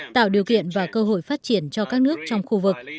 tạo điều kiện và cơ hội phát triển cho các nước trong khu vực